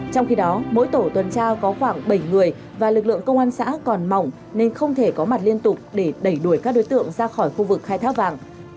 trong khi đó mỗi tổ tuần tra có khoảng bảy người và lực lượng công an xã còn mỏng nên không thể có mặt liên tục để đẩy đuổi các đối tượng ra khỏi khu vực khai thác vàng